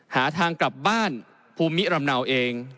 หาทางกลับบ้านภูมิลำเนาเอง